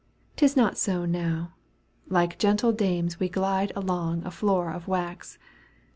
'Tis not so now. like gentle dames We glide along a floor of wax.